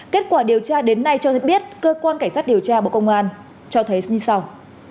kết quả điều tra đến nay cho biết cơ quan cảnh sát điều tra bộ công an cho thấy như sau